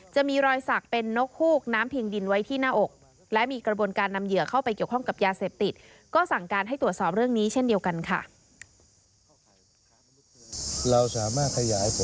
จะมีรอยสักเป็นนกหูกน้ำที่งดินไว้ที่หน้าอก